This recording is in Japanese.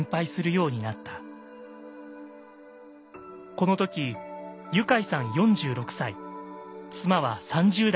この時この時ユカイさん４６歳妻は３０代半ば。